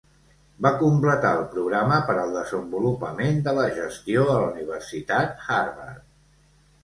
Va completar el programa per al desenvolupament de la gestió a la Universitat Harvard.